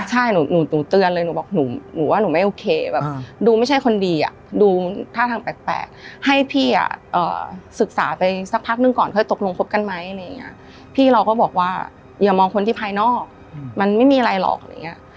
ใช่หนูเตือนเลยหนูบอกหนูหนูว่าหนูไม่โอเคแบบดูไม่ใช่คนดีอ่ะดูท่าทางแปลกให้พี่อ่ะศึกษาไปสักพักนึงก่อนเคยตกลงคบกันไหมอะไรอย่างเงี้ยพี่เราก็บอกว่าอย่ามองคนที่ภายนอกมันไม่มีอะไรหรอกอะไรอย่างเงี้ย